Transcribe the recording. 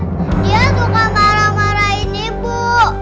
dia suka marah marahin ibu